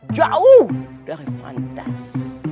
jauh dari fantas